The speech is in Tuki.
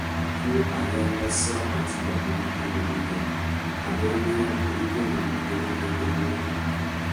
Kú ari ambassa wá timbamú maka ndêndêngüê, abérénô yabú i biônômú utênê râ ibianawénô.